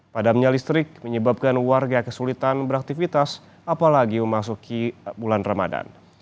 padamnya listrik menyebabkan warga kesulitan beraktivitas apalagi memasuki bulan ramadan